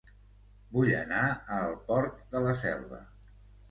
Vull anar a El Port de la Selva